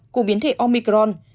của biến thể omicron